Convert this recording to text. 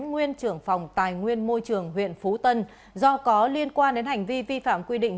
nguyên trưởng phòng tài nguyên môi trường huyện phú tân do có liên quan đến hành vi vi phạm quy định